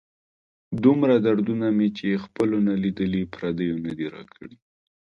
دومره دردونه مې چې خپلو نه لیدلي، پردیو نه دي را کړي.